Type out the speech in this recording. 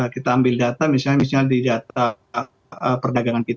kita ambil data misalnya di data perdagangan kita